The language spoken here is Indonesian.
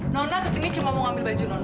nona kesini cuma mau ambil baju nona